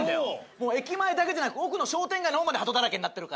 もう駅前だけじゃなく奥の商店街の方までハトだらけになってるから。